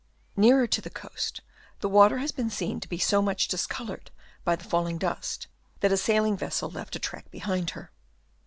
Nearer to the coast the water has been seen to be so much discoloured by the falling dust, that a sailing vessel left a track behind her.